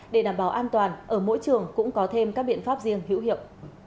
để đảm bảo an toàn ở mỗi trường cũng có thêm các biện pháp riêng hữu hiệu